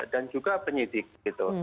dan juga penyelidik gitu